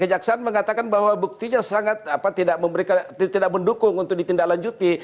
kejaksaan mengatakan bahwa buktinya sangat tidak mendukung untuk ditindaklanjuti